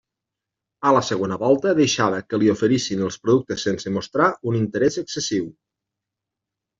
A la segona volta deixava que li oferissin els productes sense mostrar un interès excessiu.